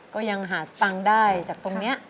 ก็ยังหาสตังค์ได้จากตรงนี้